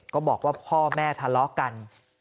ก็บอกว่าพ่อแม่ทะเลาะกัน